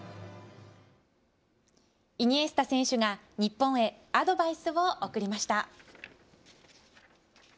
イニエスタ選手が日本へアドバイスを送りました。